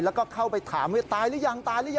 แล้วก็เข้าไปถามตายหรือยังนี่